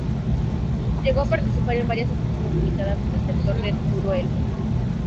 Llegó a participar en varias ofensivas limitadas en el sector de Teruel.